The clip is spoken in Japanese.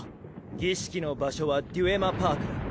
儀式の場所はデュエマパークだ。